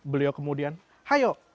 beliau kemudian hayo